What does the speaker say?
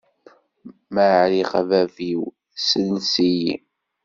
Ma ɛriɣ a bab-iw, ssels-iyi!